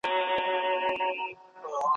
اسونه په کور کي نه ساتل کېږي.